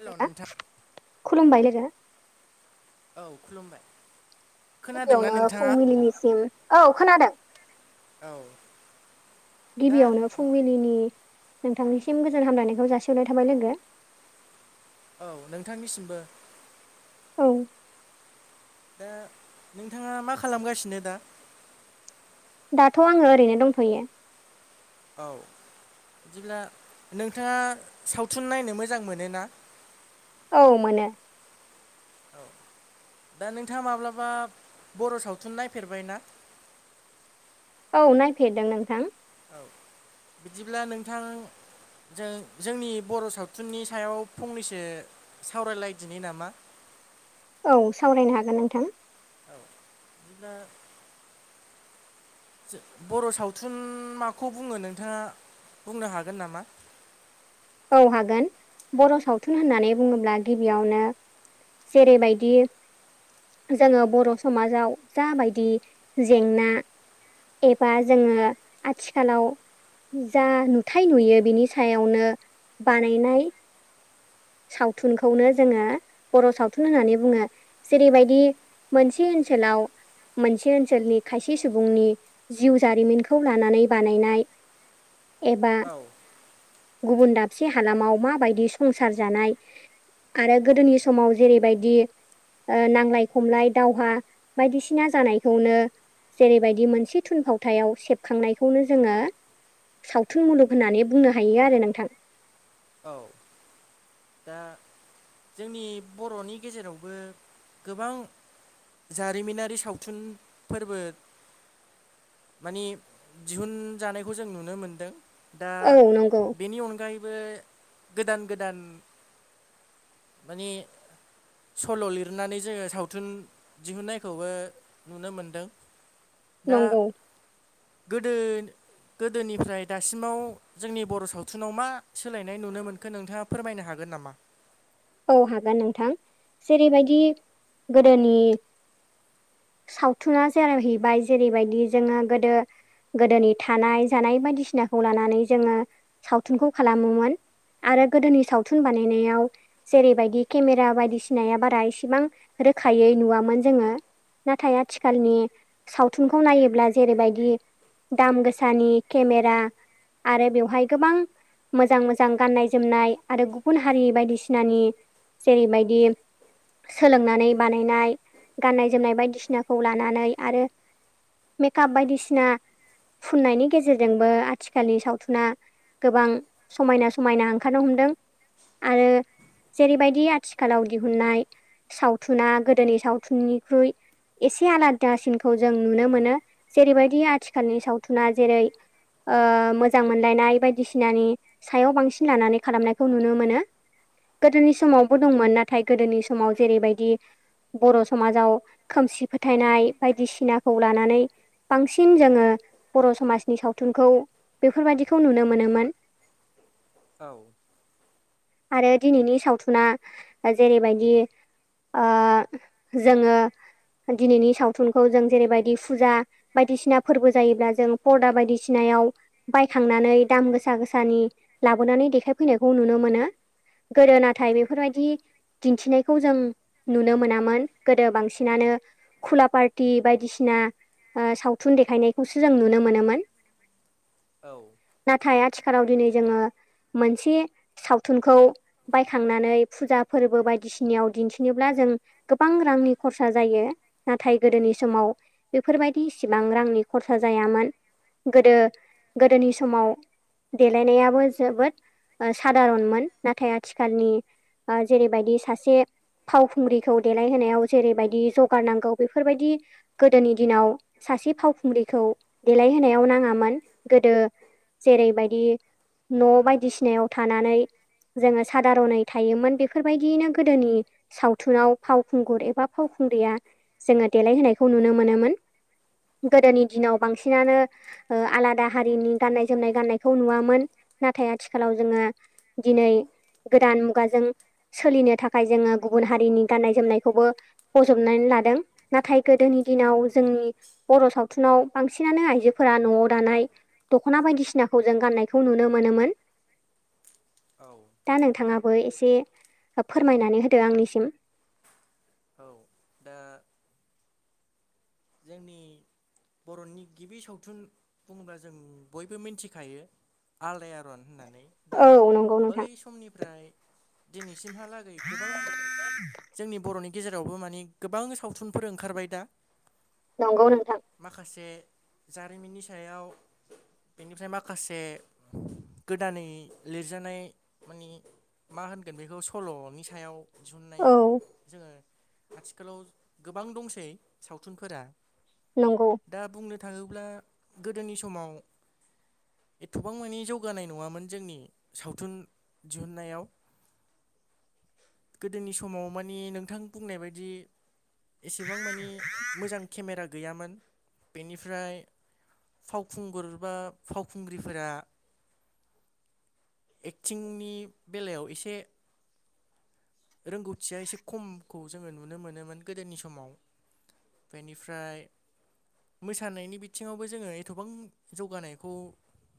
Hello नोंथां [unintelligible] खुलुमबाय लोगो औ खुलुमबाय खोनादोंना गिबियावनो नोंथाङा फुंबिलिनिसिम औ खोनादों औ दा गिबियावनो फुंबिलिनि नोंथांनिसिम गोजोन हामलायनायखौ जासिहरनाय थाबाय लोगो। औ नोंथांनिसिमबो औ दा नोंथाङा मा खालामगासिनो दा? दाथ' आङो ओरैनो दंथ'यो। औ बिदिब्ला नोंथाङा सावथुन नायनो मोजां मोनो ना? औ मोनो। औ दा नोंथाङा माब्लाबा बर' सावथुन नायफेरबाय ना? औ नायफेरदों नोंथां। औ बिदिब्ला नोंथां जों-जोंनि बर' सावथुननि सायाव फंनैसो सावरायलायदिनि नामा औ सावरायनो हागोन नोंथां। औ बिदिब्ला जो बर' सावथुन माखौ बुङो नोंथाङा बुंनो हागोन नामा? औ हागोन बर' सावथुन होननानै बुङोब्ला गिबियावनो जेरैबायदि जोङो बर' समाजाव जाबायदि जेंना एबा जोङो आथिखालाव जा नुथाय नुयो बिनि सायावनो बानायनाय सावथुनखौनो जोङो बर' सावथुन होननानै बुङो जेरैबायदि मोनसे ओनसोलाव मोनसे ओनसोलनि खायसे सुबुंनि जिउ जारिमिनखौ लानानै बानायनाय एबा औ गुबुन दाब से हालामाव माबायदि संसार जानाय आरो गोदोनि समाव जेरैबायदि ओ नांलाय खमलाय दावहा बायदिसिना जानायखौनो जेरैबायदि मोनसे थुनफावथायाव सेबखांनायखौनो जोङो सावथुन मुलुग होननानै बुंनो हायो आरो नोंथां। औ। दा जोंनि बर'नि गेजेरावबो गोबां। जारिमिनारि सावथुन फोरबो मानिे दिहुनजानायखौ जों नुनो मोन्दों। दा औ नंगौ बेनि अनगायैबो गोदान गोदान माने सल' लिरनानै जोंङो सावथुन दिहुननायखौबो नुनो मोनदों दा नंगौ गो गोदोनिफ्राय दासिमाव जोंनि बर' सावथुनाव मा सोलायनाय नाय नुनो मोनखो नोंथांङा फोरमायनो हागोन नामा? औ हागोन नोंथां। जेरैबायदि गोदोनि सावथुना जेरहैबाय जेरैबायदि जोंङो गोदो गोदोनि थानाय जानाय बायदिसिनाखौ लानानै जोंङो सावथुनखौ खालामोमोन। आरो गोदोनि सावथुन बानायनायाव जेरैबायदि केमेरा बायदिसिनाया बारा एसेबां रोखायै नुवामोन जोंङो। नाथाय आथिखालनि सावथुनखौ नायोब्ला जेरैबायदि। दाम गोसानि केमेरा आरो बेवहाय गोबां मोजां मोजां गाननाय जोमनाय आरो गुबुन हारिनि बायदिसिना-' बिसिनानि जेरैबायदि सोलोंनानै बानायनाय गाननाय जोमनाय बायदिसिनाखौ लानानै आरो मेकाप बायदिसिना फुननायनि गेजेरजोंबो आथिखालनि सावथुना गोबां समायना समायना ओंखारनो हमदों। आरो जेरैबायदि आथिखालाव दिहुननाय सावथुना गोदोनि सावथुननिख्रुइ एसे आलादासिनखौ जों नुनो मोनो जेरैबायदि आथिखालनि सावथुना जेरै मोजां मोनलायनाय बायदिसिनानि सायाव बांसिन लानानै खालामनायखौ नुनो मोनो। गोदोनि समावबो दंमोन नाथाय गोदोनि समाव जेरैबायदि। बर' समाजाव खोमसि फोथायनाय बायदिसिनाखौ लानानै बांसिन जोंङो बर' समाजनि सावथुनखौ बेफोरबायाददिखौ नुनो मोनोमोन औव आरो दिनैनि सावथुना जेरैबायदि जोंङो दिनैनि सावथुनखौ जों जेरैबायदि फुजा बायदिसिना फोरबो जायोब्ला जों परदा बायदिसिनायाव बायखांनानै दाम गोसा गोसानि लाबोनानै देखाय फैनायखौ नुनो मोनो। गोदो नाथाय बेफोरबायदि दिन्थिनायखौ जों नुनो मोनामोन गोदो बांसिनानो खुला पार्टि बायदिसिना सावथुन देखायनायखौसो जों नुनो मोनोमोन। औव नाथाय आथिखालाव दिनै जोंङो मोनसे सावथुनखौ बायखांनानै फुजा फोरबो बायदिसिनायाव दिन्थिनोब्ला जों गोबां रांनि खरसा जायो नाथाय गोदोनि समाव बेफोरबायदि इसिबां रांनि खरसा जायामोन गोदो गोदोनि समाव-' देलायनायाबो जोबोद सादारनमोन नाथाय आथिखालनि जेरैबायदि सासे फावखुंग्रिखौ देलायहोनायाव जेरैबायदि जगारनांगौ बेफोरबायदि गोदोनि दिनाव सासे फावखुंग्रिखौ देलायहोनायाव नांङामोन गोदो जेरैबायदि न' बायदिसिनायाव थानानै जोंङो? सादारनै थायोमोन बेफोरबायदि यैनो गोदोनि सावथुनाव फावखुंगुर एबा फावखुंग्रिया जोंङो देलायहोनायखौ नुनो मोनोमोन। गोदोनि दिनाव बांसिनानो आलादा हारिनि गान्नाय जोमनाय गान्नायखौ नुवामोन नाथाय आथिखालाव जोङो दिनै गोदान मुगाजों सोलिनो थाखाय जोङो गुबुन हारिनि गाननाय जोमनायखौबो बजबनानै लादों नाथाय गोदोनि दिनाव जोंनि बर' सावथुनाव बांसिनानो आइजोफोरा न'आव दानाय दख'ना बायदिसिनाखौ जों गान्नायखौ नुनो मोनोमोन औ दा नोंथाङाबो एसे फोरमायनानै होदो आंनिसिम औ दा जोंनि बर'नि गिबि सावथुन बुङोब्ला जों बयबो मिन्थिखायो आलदायारन होननानै दा औ नंगौ बै नोंथां समनिफ्राय दिनैसिमहालागै गोबां जोंनि बर'नि गेजेरावबो माने गोबां सावथुनफोर ओंखारबाय दा नंगौ नोंथां माखासे जारिमिननि सायाव बेनिफ्राय माखासे गोदानै लिरजानाय माने मा होनगोन बेखौ सल'नि सायाव दिहुननाय औ जोङो आथिखालाव गोबां दंसै सावथुनफोरा। नंगौ। दा बुंनो थाङोब्ला गोदोनि समाव एथ'बां मानि जौगानाय नङामोन जोंनि सावथुन दिहुनायाव गोदोनि समाव माने नोंथां बुंनाय बायदि एसेबां मानि मोजां केमेरा गैयामोन बेनिफ्राय फावखुंगुर बा फावखुंग्रिफोरा एक्टिंनि बेलायाव एसे रोंगौथिया एसे खमखौ जोङो नुनो मोनोमोन गोदोनि समाव बेनिफ्राय मोसानायनि बिथिङावबो जोङो एथबां जौगानायखौ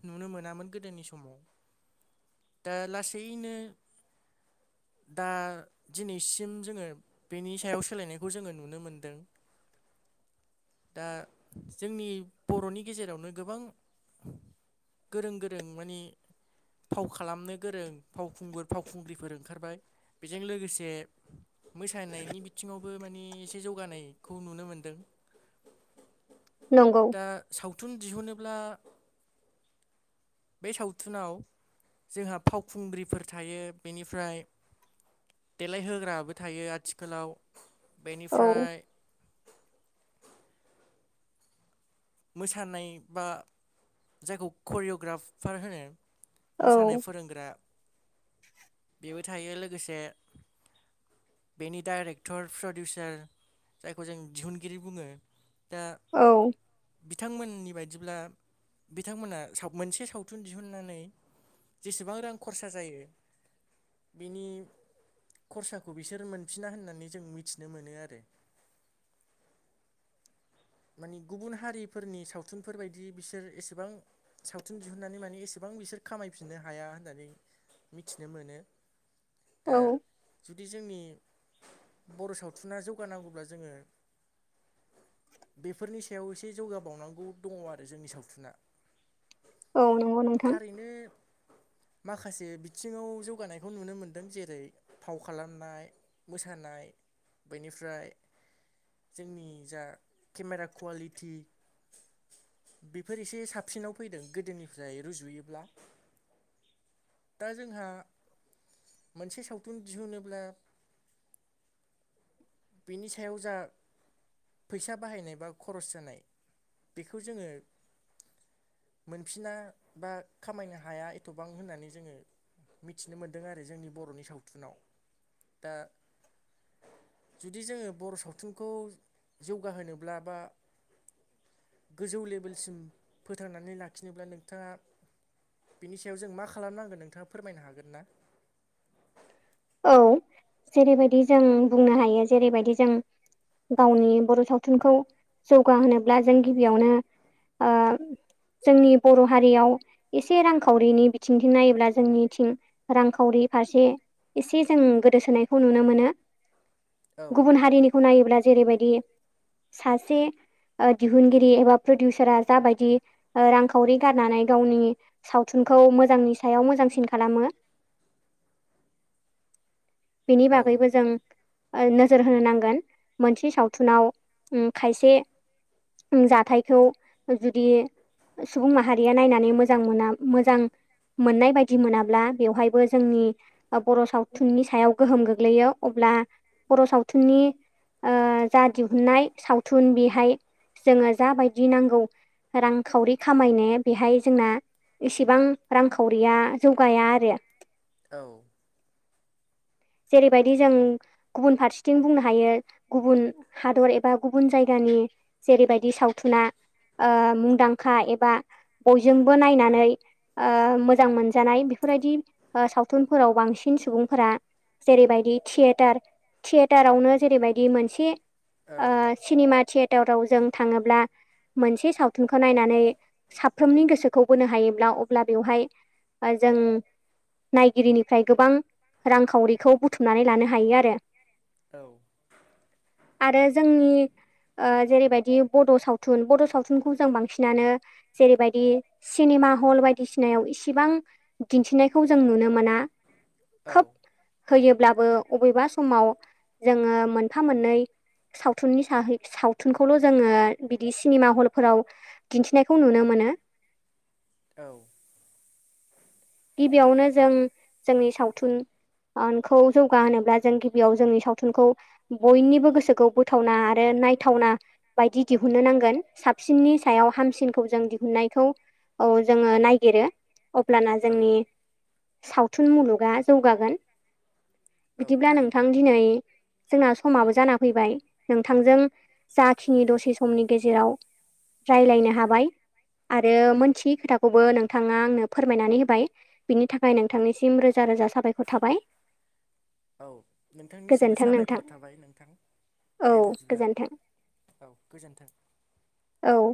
नुनो मोनामोन गोदोनि समाव दा लासैनो दा दिनैसिम जोङो बेनि सायाव सोलायनायखौ जोङो नुनो मोनदों दा जोंनि बर'नि गेजेरावनो गोबां गोरों गोरों माने फाव खालामनो गोरों फावखुंगुर फावखुंग्रिफोर ओंखारबाय। बेजों लोगोसे मोसानायनि बिथिङावबो माने एसे जौगानायखौ नुनो मोन दों नंगौ। सावथुन दिहुनो बे सावथुनाव जोंहा फावखुंग्रिफोर थायो बेनिफ्राय देलायहोग्राबो थायो आथिखालाव औ बेनिफ्राय- मोसानाय बा जायखौ करिय'ग्राफार होनो। औ मोसानाय फोरोंग्रा बेबो थायो लोगोसे। बेनि डाइरेक्टर, प्रडिउसार। जायखौ जों दिहुनगिरि बुङो दा। औ। बिथांमोननि बायदिब्ला बिथांमोना मोनसे सावथुन दिहुननानै। जेसेबां रां खरसा जायो बिनि- खरसाखौ बिसोर मोनफिना होननानै जों मिथिनो मोनो आरो। माने गुबुन हारिफोरनि सावथुनफोरबायायदि बिसोर एसेबां- सावथुन दिहुननानै माने एसेबां बिसोर खामायफिननो हाया होननानै। मिथिनो मोनो दा। औ जुदि जोंनि बर' सावथुना जौगानांगौब्ला जोंङो। बेफोरनि सायाव एसे जौगाबावनांगौ दंङ' आरो जोंनि सावथुना। औ नंगौ नोंथां थारैनो माखासे बिथिंङाव जौगानायखौ नुनो मोनदों जेरै फाव खालामनाय। मोसानाय बेनिफ्राय जोंनि जा केमेरा कुवालिटि बेफोर एसे साबसिनाव फैदों गोदोनिफ्राय रुजुयोब्ला। दा जोंहा मोनसे सावथुन दिहुनोब्ला- बिनि सायाव जा फैसा बाहायनाय बा खरस जानाय- बेखौ जोंङो। मोनफिना बा खामायनो हाया एथ'बां होननानै जोंङो मिथिनो मोनदों आरो जोंनि बर'नि सावथुनाव दा जुदि जोंङो बर' सावथुनखौ जौगाहोनोब्ला बा गोजौ लेभेलसिम फोथांनानै लाखिनोब्ला नोंथांङा बिनि सायाव जों मा खालामनांगोन नोंथाङा फोरमायनो हागोन ना? औ जेरैबायदि जों बुंनो हायो जेरैबायदि जों गावनि बर' सावथुनखौ जौगाहोनोब्ला जों गिबियावनो ओ जोंनि बर' हारियाव एसे रांखावरिनि बिथिंथिं नायोब्ला जोंनिथिं रांखावरि फारसे एसे जों गोदोसोनायखौ नुनो मोनो औ गुबुन हारिनि खौ नायोब्ला जेरैबायदि सासे दिहुनगिरि एबा प्रदिउसारा जाबायदि रांखावरि गारनानै गावनि सावथुनखौ मोजांनि सायाव मोजांसिन खालामो। बेनि औ बागैबो जों नोजोर होनो नांगोन मोनसे सावथुनाव खायसे जाथायखौ जुदि सुबुं माहारिया नायनानै मोजां मोना मोजां मोननाय बायदि मोनाब्ला बेवहायबो जोंनि बर' सावथुननि सायाव गोहोम गोग्लैयो अब्ला बर' सावथुननि ओ जा दिहुननाय सावथुन बेहाय जोंङो जाबायदि नांगौ रांखावरि खामायनो बेहाय जोंना इसेबां रांखावरिया जौगाया आरो औ जेरैबायदि जों गुबुन फारसेथिं बुंनो हायो गुबुन हादर एबा गुबुन जायगानि जेरैबायदि सावथुना ओ मुंदांखा एबा बयजोंबो नायनानै ओ मोजां मोनजानाय बेफोरबायदि सावथुनफोराव बांसिन सुबुंफोरा जेरैबायदि थियेटार थियेटारावनो जेरैबायदि मोनसे ओ औ सिनेमा थियेटाराव जों थांङोब्ला मोनसे सावथुनखौ नायनानै साफ्रोमनि गोसोखौ बोनो हायोब्ला अब्ला बेवहाय जों नायगिरिनिफ्राय गोबां रांखावरिखौ बुथुमनानै लानो हायो आरो [inaudible] आरो जोंनि ओ जेरैबायदि बड' सावथुन बड' सावथुनखौ जों बांसिनानो जेरैबायदि सिनेमा हल बायदिसिनायाव इसिबां दिन्थिनायखौ जों नुनो मोना औ खोब होयोब्लाबो अबेबा समाव जोःङो मोनफा मोननै सावथुननि साहै सावथुनखौल' जोङो बिदि सिनेमा हलफोराव दिन्थिनायखौ नुनो मोनो औ गिबियावनो जों जोंनि सावथुन खौ जौगा होनोनोब्ला जों गिबियाव जोंनि सावथुनखौ बयनिबो गोसोखौ बोथावना आरो नायथावना बायदि दिहुननो नांगोन साबसिननि सायाव हामसिनखौ जों दिहुननायखौ औ जोङो ननायागिरो अब्लाना औ जोंनि सावथुन मुलुगा जौगागोन औ बिदिब्ला नोंथां थारैनो दिनै जोंना समाबो जाना फैबाय नोंथांजों जाखिनि दसे समनि गेजेराव रायलायनो हाबाय आरो मोनथियै खोथाखौबो नोंथाङा आंनो फोरमायनानै होब य बिनि थाखाय नोंथांनिसिम रोजा रोजा साबायखर थाबाय औ नोंथांनिसिमबो गोजोन्थों नोंथां साबायखर थाबाय नोंथां औ दे बिदिब्ला गोजोन्थों औ गोजोन्थों औ